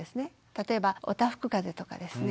例えばおたふくかぜとかですね